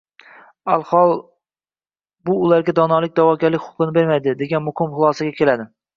Alhol, “Bu ularga donolikka da’vogarlik huquqini bermaydi” degan muqim xulosaga keladi